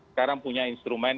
sekarang punya instrumen